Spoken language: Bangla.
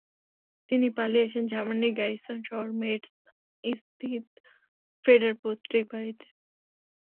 তিনি পালিয়ে আসেন জার্মানির গ্যারিসন শহর মেটজ-স্থিত ফ্রেডার পৈতৃক বাড়িতে।